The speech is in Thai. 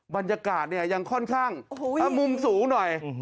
บรรยากาศเนี่ยยังค่อนข้างมุมสูงหน่อย